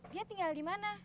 dia tinggal di mana